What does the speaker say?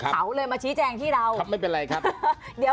เขาเลยมาชี้แจงที่เราครับไม่เป็นไรครับเดี๋ยว